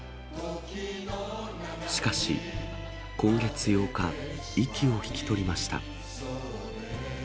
しかし、今月８日、息を引き取りました。